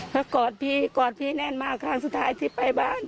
ถ้ากอดพี่กอดพี่แน่นมากครั้งสุดท้ายที่ไปบ้าน